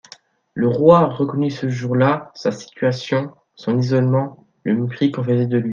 Le roi reconnut ce jour-là sa situation, son isolement, le mépris qu'on faisait de lui.